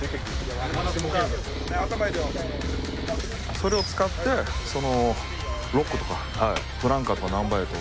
それを使ってロックとかフランカーとかナンバーエイト。